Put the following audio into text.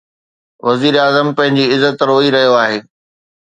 وزيراعظم پنهنجي عزت روئي رهيو آهي.